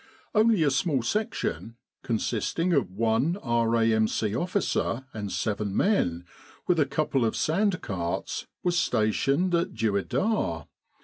Only a small section, consisting of one R.A.M.C. officer and seven men with a couple of sand carts, was stationed at Dueidar.